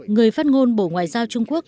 người phát ngôn bộ ngoại giao trung quốc